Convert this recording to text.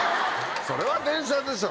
それは電車でしょ！